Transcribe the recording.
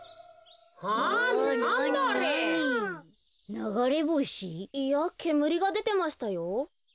ながれぼし？いやけむりがでてましたよ。